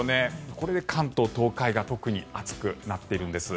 これで関東、東海が特に暑くなっているんです。